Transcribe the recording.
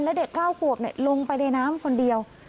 แล้วเด็ก๙ขวบลงไปในน้ำคนเดียว